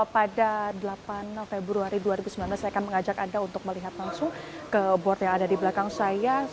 pada delapan februari dua ribu sembilan belas saya akan mengajak anda untuk melihat langsung ke board yang ada di belakang saya